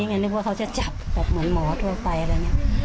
ไงนึกว่าเขาจะจับแบบเหมือนหมอทั่วไปอะไรอย่างนี้